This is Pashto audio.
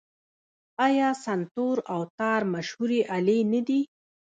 آیا سنتور او تار مشهورې الې نه دي؟